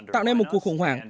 tạo nên một cuộc khủng hoảng